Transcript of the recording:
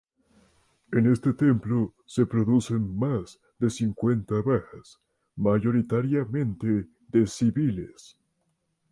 En este templo se producen más de cincuenta bajas, mayoritariamente de civiles.